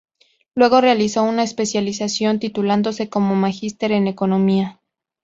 Luego realizó una especialización, titulándose como Magister en Economía.